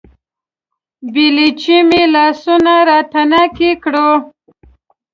بېلچې مې لاسونه راتڼاکې کړو